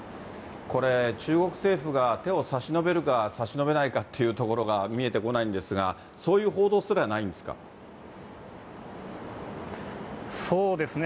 これ、中国政府が手を差し伸べるか、差し伸べないかっていうところが見えてこないんですが、そうですね。